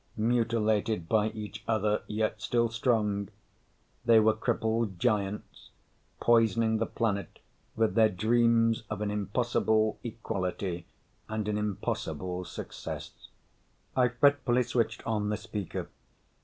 Mutilated by each other, yet still strong, they were crippled giants poisoning the planet with their dreams of an impossible equality and an impossible success. I fretfully switched on the speaker.